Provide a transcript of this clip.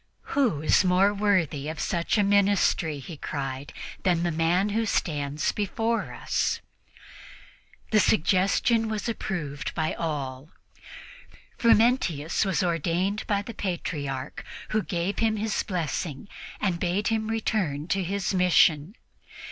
"Who is more worthy of such a ministry," he cried, "than the man who stands before us?" The suggestion was approved by all. Frumentius was ordained by the Patriarch, who gave him his blessing and bade him return to his mission.